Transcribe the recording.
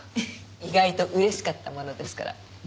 意外と嬉しかったものですから。